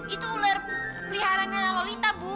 itu ular peliharanya lolita bu